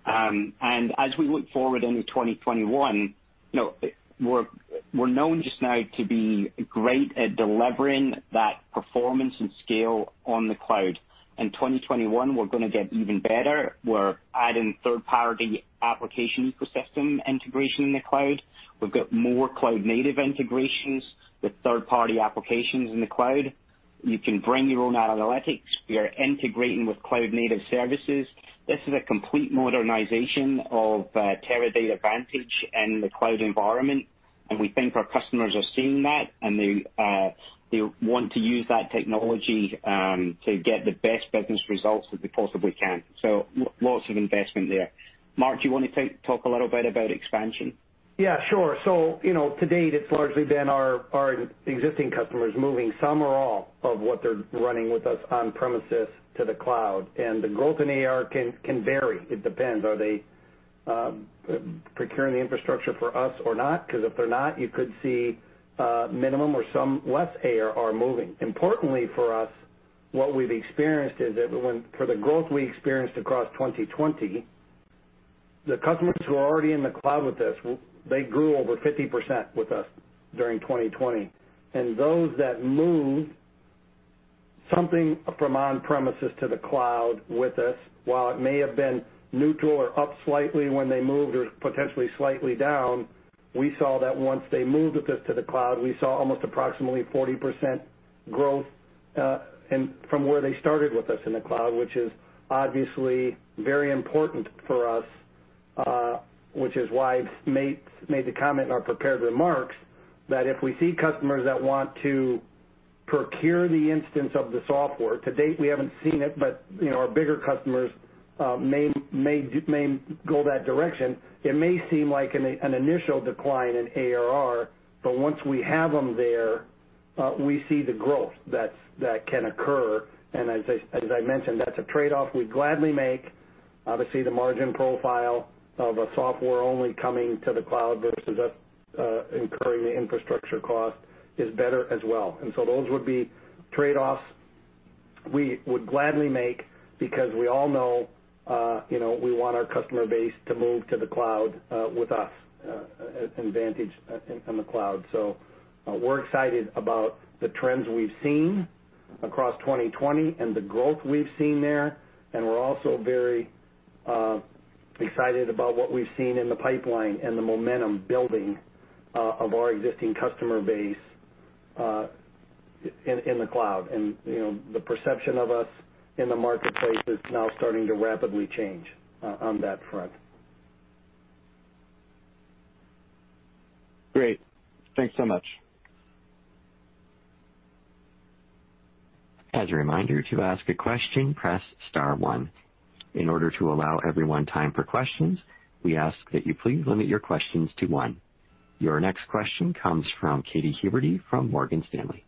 As we look forward into 2021, we're known just now to be great at delivering that performance and scale on the cloud. In 2021, we're going to get even better. We're adding third-party application ecosystem integration in the cloud. We've got more cloud-native integrations with third-party applications in the cloud. You can bring your own analytics. We are integrating with cloud-native services. This is a complete modernization of Teradata Vantage in the cloud environment, and we think our customers are seeing that, and they want to use that technology to get the best business results that they possibly can. Lots of investment there. Mark, do you want to talk a little bit about expansion? Yeah, sure. To date, it's largely been our existing customers moving some or all of what they're running with us on premises to the cloud, and the growth in ARR can vary. It depends. Are they procuring the infrastructure for us or not? If they're not, you could see minimum or some less ARR moving. Importantly for us, what we've experienced is that for the growth we experienced across 2020, the customers who are already in the cloud with us, they grew over 50% with us during 2020. Those that moved something from on premises to the cloud with us, while it may have been neutral or up slightly when they moved or potentially slightly down, we saw that once they moved with us to the cloud, we saw almost approximately 40% growth, from where they started with us in the cloud, which is obviously very important for us, which is why [mate] made the comment in our prepared remarks, that if we see customers that want to procure the instance of the software, to date, we haven't seen it, but our bigger customers may go that direction. It may seem like an initial decline in ARR, but once we have them there, we see the growth that can occur, and as I mentioned, that's a trade-off we'd gladly make. Obviously, the margin profile of a software only coming to the cloud versus us incurring the infrastructure cost is better as well. Those would be trade-offs We would gladly make because we all know we want our customer base to move to the cloud with us, in Vantage, in the cloud. We're excited about the trends we've seen across 2020 and the growth we've seen there, and we're also very excited about what we've seen in the pipeline and the momentum building of our existing customer base in the cloud. The perception of us in the marketplace is now starting to rapidly change on that front. Great. Thanks so much. As a reminder, to ask a question, press star one. In order to allow everyone time for questions, we ask that you please limit your questions to one. Your next question comes from Katy Huberty from Morgan Stanley.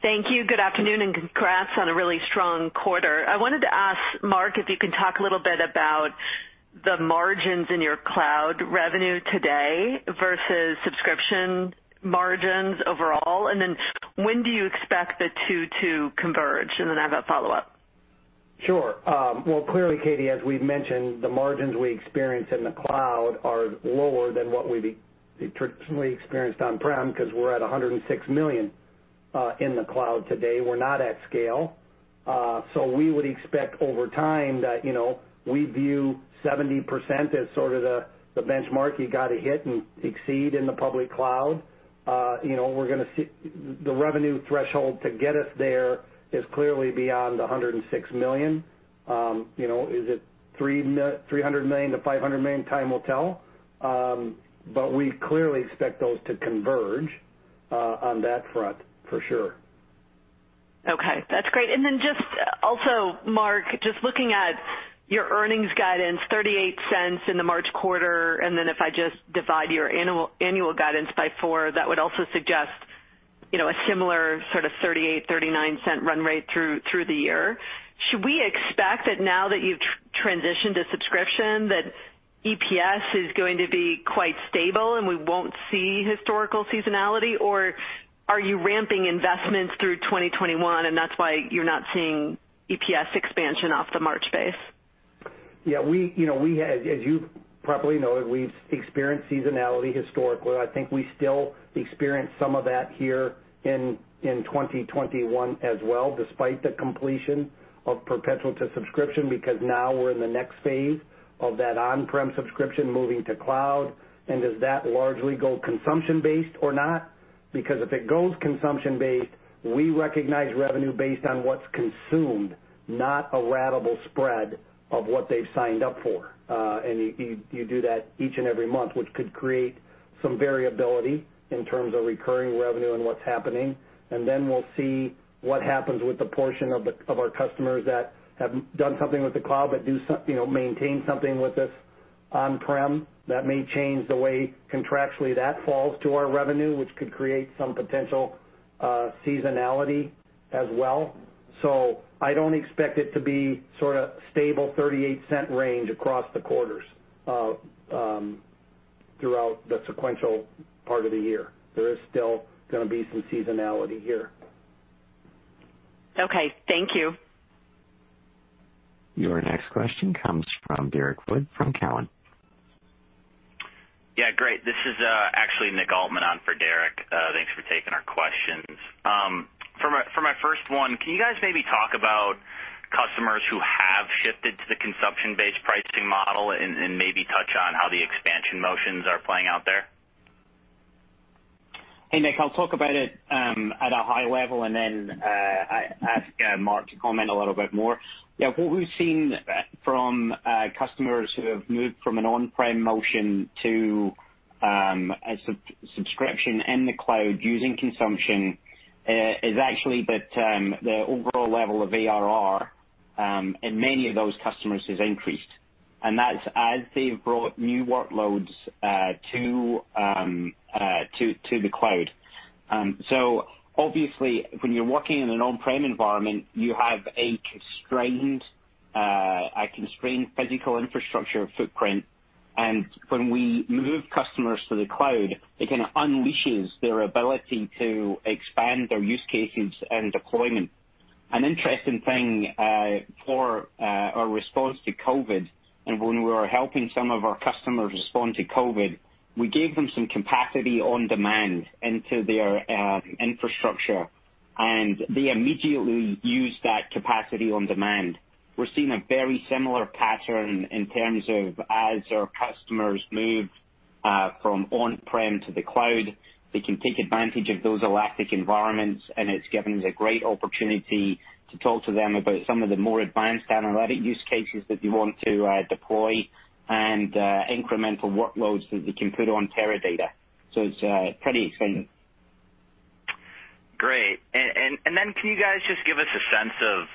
Thank you. Good afternoon and congrats on a really strong quarter. I wanted to ask Mark if you can talk a little bit about the margins in your cloud revenue today versus subscription margins overall. Then when do you expect the two to converge? Then I have a follow-up. Sure. Well, clearly, Katy, as we've mentioned, the margins we experience in the cloud are lower than what we traditionally experienced on-prem because we're at $106 million in the cloud today. We're not at scale. We would expect over time that we view 70% as sort of the benchmark you got to hit and exceed in the public cloud. The revenue threshold to get us there is clearly beyond the $106 million. Is it $300 million-$500 million? Time will tell. We clearly expect those to converge on that front for sure. Okay, that's great. Just also, Mark, just looking at your earnings guidance, $0.38 in the March quarter, if I just divide your annual guidance by four, that would also suggest a similar sort of $0.38, $0.39 run rate through the year. Should we expect that now that you've transitioned to subscription, that EPS is going to be quite stable and we won't see historical seasonality? Or are you ramping investments through 2021, and that's why you're not seeing EPS expansion off the March base? Yeah. As you probably know it, we've experienced seasonality historically. I think we still experience some of that here in 2021 as well, despite the completion of perpetual to subscription, because now we're in the next phase of that on-prem subscription moving to cloud. Does that largely go consumption-based or not? Because if it goes consumption-based, we recognize revenue based on what's consumed, not a ratable spread of what they've signed up for. You do that each and every month, which could create some variability in terms of recurring revenue and what's happening. Then we'll see what happens with the portion of our customers that have done something with the cloud but maintain something with us on-prem. That may change the way contractually that falls to our revenue, which could create some potential seasonality as well. I don't expect it to be sort of stable $0.38 range across the quarters throughout the sequential part of the year. There is still going to be some seasonality here. Okay. Thank you. Your next question comes from Derrick Wood from Cowen. Yeah, great. This is actually Nick Altmann on for Derrick. Thanks for taking our questions. For my first one, can you guys maybe talk about customers who have shifted to the consumption-based pricing model and maybe touch on how the expansion motions are playing out there? Hey, Nick. I'll talk about it at a high level and then ask Mark to comment a little bit more. Yeah. What we've seen from customers who have moved from an on-prem motion to a subscription in the cloud using consumption is actually that the overall level of ARR in many of those customers has increased, and that's as they've brought new workloads to the cloud. Obviously, when you're working in an on-prem environment, you have a constrained physical infrastructure footprint. When we move customers to the cloud, it kind of unleashes their ability to expand their use cases and deployment. An interesting thing for our response to COVID, and when we were helping some of our customers respond to COVID, we gave them some capacity on demand into their infrastructure, and they immediately used that capacity on demand. We're seeing a very similar pattern in terms of as our customers move from on-prem to the cloud, they can take advantage of those elastic environments, and it's given us a great opportunity to talk to them about some of the more advanced analytic use cases that they want to deploy and incremental workloads that they can put on Teradata. It's pretty exciting. Great. Then can you guys just give us a sense of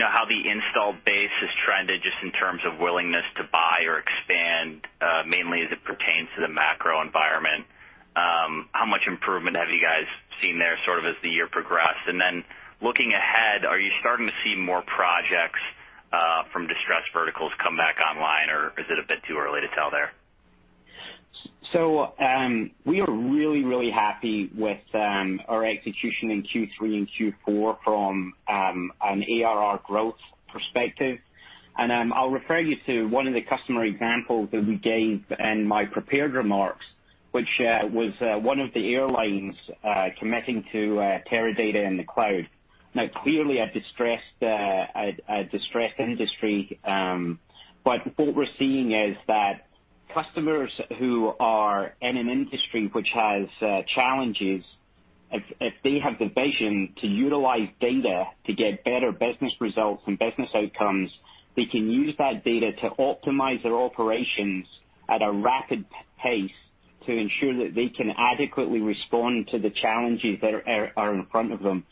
how the install base has trended just in terms of willingness to buy or expand, mainly as it pertains to the macro environment? How much improvement have you guys seen there sort of as the year progressed? Looking ahead, are you starting to see more projects from distressed verticals come back online, or is it a bit too early to tell there? We are really, really happy with our execution in Q3 and Q4 from an ARR growth perspective. I'll refer you to one of the customer examples that we gave in my prepared remarks, which was one of the airlines committing to Teradata in the cloud. Clearly a distressed industry. What we're seeing is that customers who are in an industry which has challenges, if they have the vision to utilize data to get better business results and business outcomes, they can use that data to optimize their operations at a rapid pace to ensure that they can adequately respond to the challenges that are in front of them.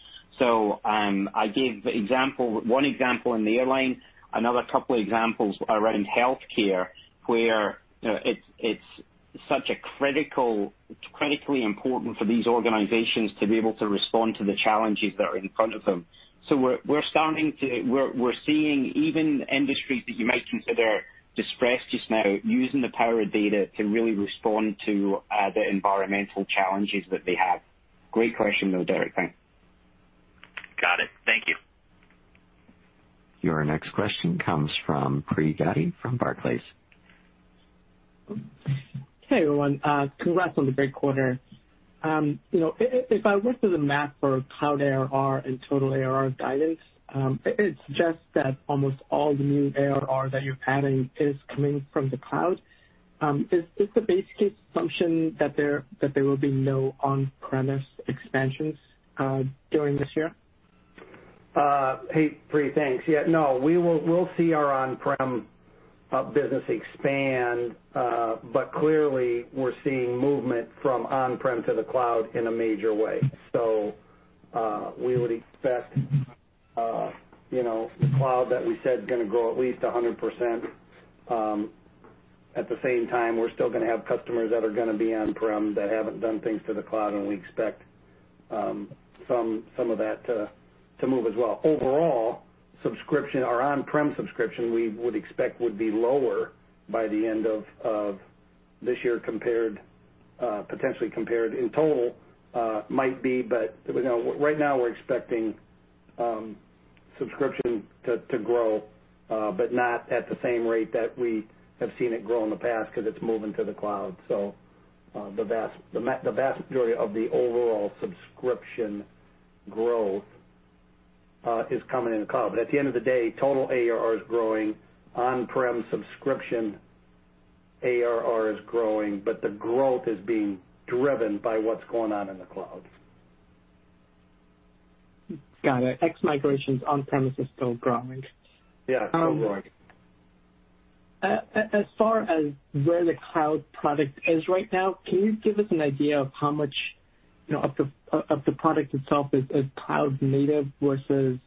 I gave one example in the airline, another couple of examples around healthcare, where it's critically important for these organizations to be able to respond to the challenges that are in front of them. We're seeing even industries that you might consider distressed just now using the power of data to really respond to the environmental challenges that they have. Great question though, Derrick. Thanks. Got it. Thank you. Your next question comes from Pri Gadi from Barclays. Hey, everyone. Congrats on the great quarter. If I look to the math for cloud ARR and total ARR guidance, it suggests that almost all the new ARR that you're adding is coming from the cloud. Is this a base case assumption that there will be no on-premise expansions during this year? Hey, Pri. Thanks. Yeah, no, we'll see our on-prem business expand, clearly we're seeing movement from on-prem to the cloud in a major way. We would expect the cloud that we said is going to grow at least 100%. At the same time, we're still going to have customers that are going to be on-prem that haven't done things to the cloud, we expect some of that to move as well. Overall, our on-prem subscription, we would expect would be lower by the end of this year, potentially compared in total might be, right now we're expecting subscription to grow, not at the same rate that we have seen it grow in the past because it's moving to the cloud. The vast majority of the overall subscription growth is coming in the cloud. At the end of the day, total ARR is growing, on-prem subscription ARR is growing, but the growth is being driven by what's going on in the cloud. Got it. Ex-migrations on-premise is still growing. Yeah, it's still growing. As far as where the cloud product is right now, can you give us an idea of how much of the product itself is cloud-native versus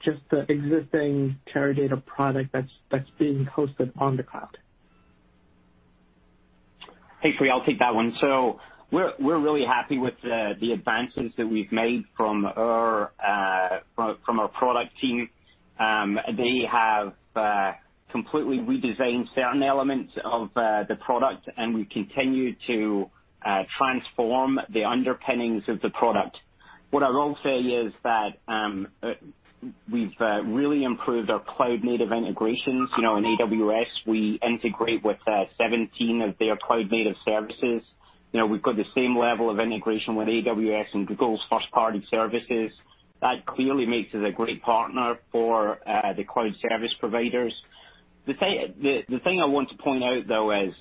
just the existing Teradata product that's being hosted on the cloud? Hey, Pri, I'll take that one. We're really happy with the advances that we've made from our product team. They have completely redesigned certain elements of the product, and we continue to transform the underpinnings of the product. What I will say is that we've really improved our cloud-native integrations. In AWS, we integrate with 17 of their cloud-native services. We've got the same level of integration with AWS and Google's first-party services. That clearly makes us a great partner for the cloud service providers. The thing I want to point out, though, is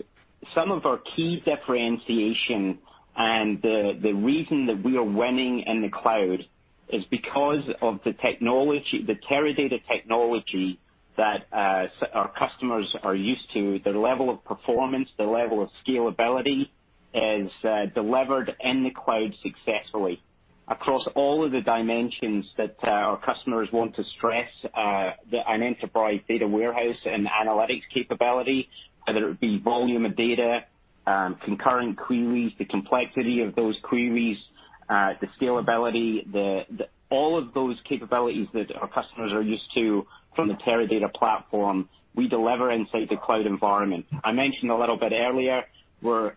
some of our key differentiation and the reason that we are winning in the cloud is because of the Teradata technology that our customers are used to. The level of performance, the level of scalability is delivered in the cloud successfully across all of the dimensions that our customers want to stress, an enterprise data warehouse and analytics capability, whether it be volume of data, concurrent queries, the complexity of those queries, the scalability. All of those capabilities that our customers are used to from the Teradata platform, we deliver inside the cloud environment. I mentioned a little bit earlier, we're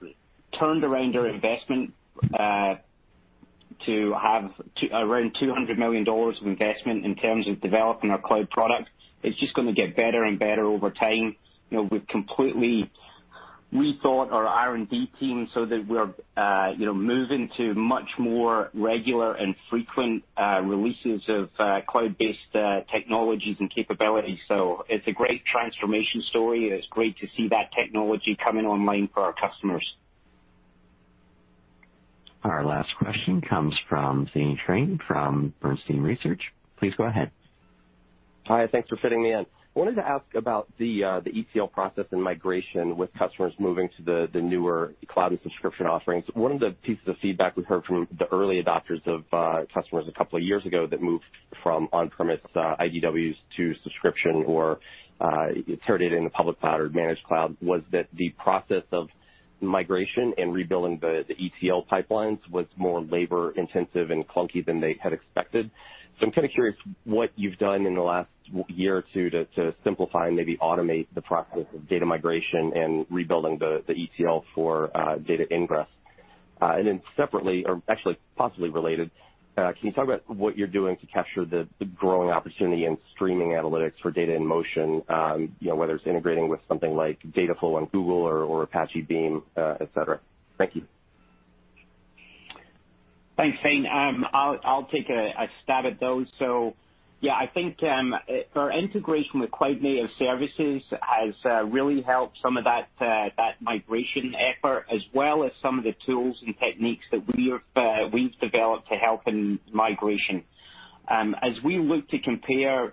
turned around our investment to have around $200 million of investment in terms of developing our cloud product. It's just going to get better and better over time. We've completely rethought our R&D team so that we're moving to much more regular and frequent releases of cloud-based technologies and capabilities. It's a great transformation story, and it's great to see that technology coming online for our customers. Our last question comes from Zane Chrane from Bernstein Research. Please go ahead. Hi, thanks for fitting me in. I wanted to ask about the ETL process and migration with customers moving to the newer cloud and subscription offerings. One of the pieces of feedback we heard from the early adopters of customers a couple of years ago that moved from on-premise IDWs to subscription or Teradata in the public cloud or managed cloud, was that the process of migration and rebuilding the ETL pipelines was more labor-intensive and clunky than they had expected. I'm kind of curious what you've done in the last year or two to simplify and maybe automate the process of data migration and rebuilding the ETL for data ingress. Separately, or actually possibly related, can you talk about what you're doing to capture the growing opportunity in streaming analytics for data in motion? Whether it's integrating with something like Dataflow on Google or Apache Beam, et cetera? Thank you. Thanks, Zane. I'll take a stab at those. Yeah, I think our integration with cloud-native services has really helped some of that migration effort, as well as some of the tools and techniques that we've developed to help in migration. As we look to compare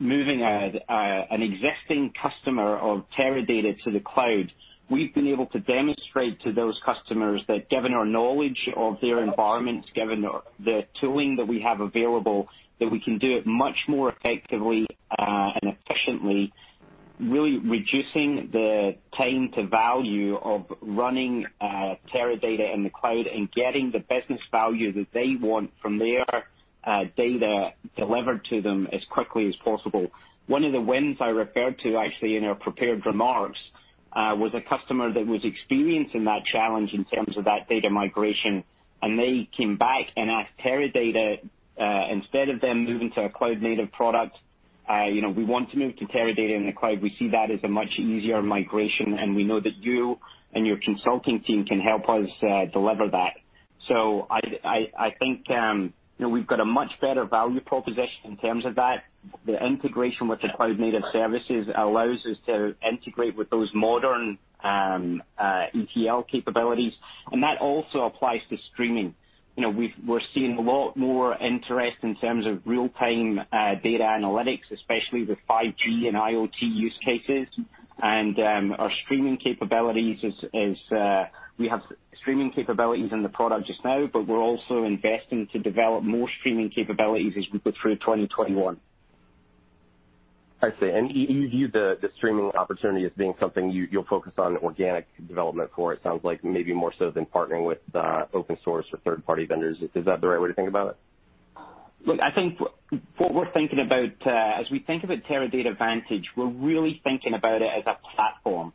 moving an existing customer of Teradata to the cloud, we've been able to demonstrate to those customers that given our knowledge of their environments, given the tooling that we have available, that we can do it much more effectively and efficiently, really reducing the time to value of running Teradata in the cloud and getting the business value that they want from their data delivered to them as quickly as possible. One of the wins I referred to actually in our prepared remarks, was a customer that was experiencing that challenge in terms of that data migration. They came back and asked Teradata, instead of them moving to a cloud-native product, "We want to move to Teradata in the cloud. We see that as a much easier migration, and we know that you and your consulting team can help us deliver that." I think we've got a much better value proposition in terms of that. The integration with the cloud-native services allows us to integrate with those modern ETL capabilities, and that also applies to streaming. We're seeing a lot more interest in terms of real-time data analytics, especially with 5G and IoT use cases. We have streaming capabilities in the product just now, but we're also investing to develop more streaming capabilities as we go through 2021. I see. You view the streaming opportunity as being something you'll focus on organic development for, it sounds like, maybe more so than partnering with open source or third-party vendors. Is that the right way to think about it? Look, I think what we're thinking about, as we think about Teradata Vantage, we're really thinking about it as a platform.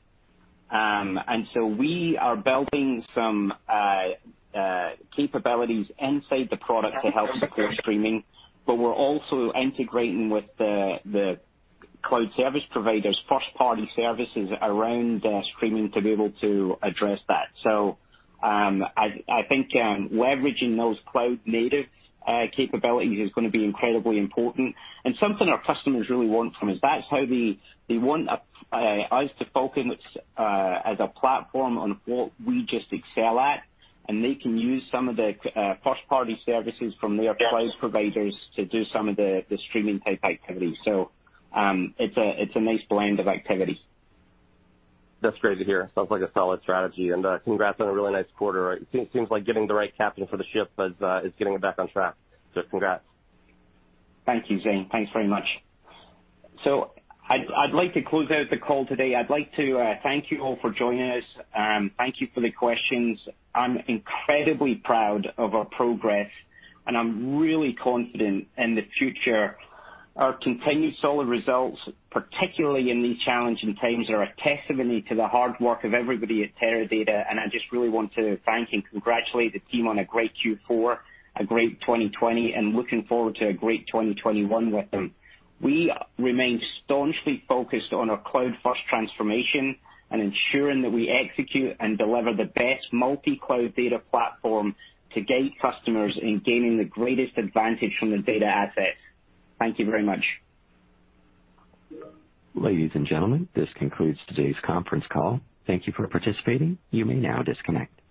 We are building some capabilities inside the product to help secure streaming, but we're also integrating with the cloud service providers, first-party services around streaming to be able to address that. I think leveraging those cloud-native capabilities is going to be incredibly important and something our customers really want from us. That's how they want us to focus as a platform on what we just excel at, and they can use some of the first-party services from their cloud providers to do some of the streaming type activities. It's a nice blend of activity. That's great to hear. Sounds like a solid strategy. Congrats on a really nice quarter. It seems like getting the right captain for the ship is getting it back on track. Congrats. Thank you, Zane. Thanks very much. I'd like to close out the call today. I'd like to thank you all for joining us. Thank you for the questions. I'm incredibly proud of our progress, and I'm really confident in the future. Our continued solid results, particularly in these challenging times, are a testimony to the hard work of everybody at Teradata, and I just really want to thank and congratulate the team on a great Q4, a great 2020, and looking forward to a great 2021 with them. We remain staunchly focused on our cloud-first transformation and ensuring that we execute and deliver the best multi-cloud data platform to guide customers in gaining the greatest advantage from their data assets. Thank you very much. Ladies and gentlemen, this concludes today's conference call. Thank you for participating. You may now disconnect.